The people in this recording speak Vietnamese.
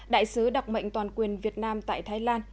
đại sứ đặc mệnh toàn quyền việt nam tại thái lan